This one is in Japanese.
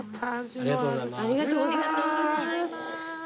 ありがとうございます。